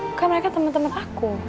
bukan mereka temen temen aku